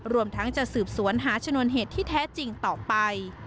รวมทั้งจะสืบสวนหาชนวนเหตุที่แท้จริงต่อไป